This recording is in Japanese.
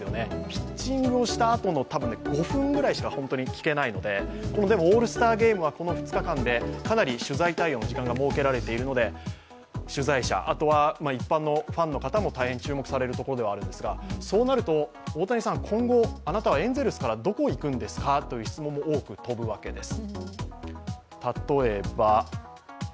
ピッチングをしたあとのたぶん５分ぐらいしか本当に聞けないのででもオールスターゲームは、この２日間でかなり取材対応の時間が設けられているので、取材者、あとは一般のファンの方も大変、注目されるところではあるんですが、そうなると、大谷さん今後あなたはエンゼルスからどこに行くんですかという質問も多く飛ぶわけです。